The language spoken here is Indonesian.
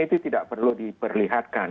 itu tidak perlu diperlihatkan